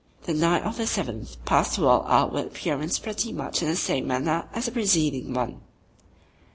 The night of the seventh passed to all outward appearance pretty much in the same manner as the preceding one.